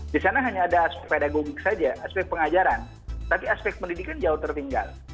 di sana hanya ada pedagogik saja aspek pengajaran tapi aspek pendidikan jauh tertinggal